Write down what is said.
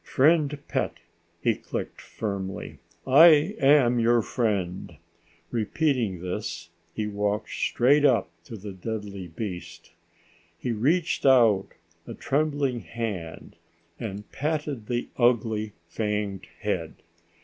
"Friend pet," he clicked firmly, "I am your friend." Repeating this, he walked straight up to the deadly beast. He reached out a trembling hand and patted the ugly fanged head.